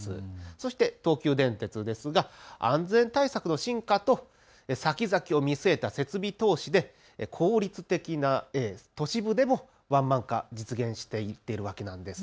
そして東急電鉄ですが安全対策の進化とさきざきを見据えた設備投資で効率的に都市部でもワンマン化を実現していっているんです。